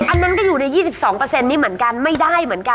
อันนั้นก็อยู่ใน๒๒นี้เหมือนกันไม่ได้เหมือนกัน